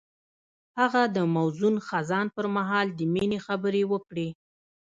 هغه د موزون خزان پر مهال د مینې خبرې وکړې.